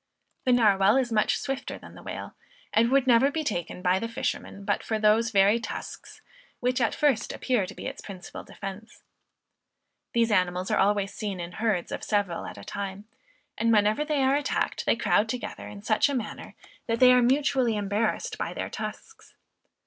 The Narwal is much swifter than the whale, and would never be taken by the fishermen but for those very tusks, which at first appear to be its principal defence. These animals are always seen in herds of several at a time; and whenever they are attacked they crowd together in such a manner, that they are mutually embarrassed by their tusks.